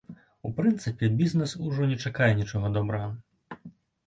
У прынцыпе, бізнэс ужо не чакае нічога добрага.